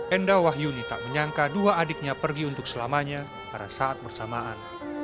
enda wahyuni tak menyangka dua adiknya pergi untuk selamanya pada saat bersamaan